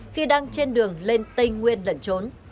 khi đang trên đường lên tây nguyên lẩn trốn